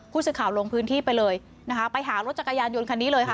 ผู้สื่อข่าวลงพื้นที่ไปเลยนะคะไปหารถจักรยานยนต์คันนี้เลยค่ะ